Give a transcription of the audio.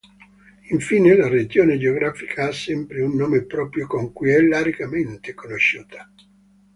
Infine la regione geografica ha sempre un nome proprio con cui è largamente conosciuta.